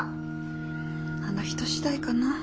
あの人次第かな。